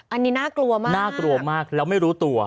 อันนี้น่ากลัวมากน่ากลัวมากแล้วไม่รู้ตัว